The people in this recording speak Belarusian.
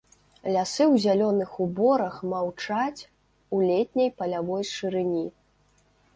Лясы ў зялёных уборах маўчаць у летняй палявой шырыні.